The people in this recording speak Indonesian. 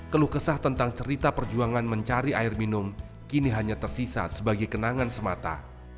keluh kesah tentang cerita perjuangan mencari air minum kini hanya tersisa sebagai kenangan semata